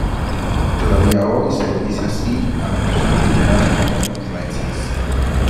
Todavía hoy se le dice así a la persona adinerada y con influencias.